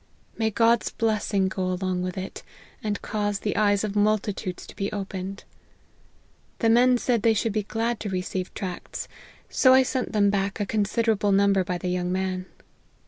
May God's blessing go along with it, and cause the eyes of multitudes to be opened ! The men said they should be glad to receive tracts ; so I sent them back a considerable number by the young man.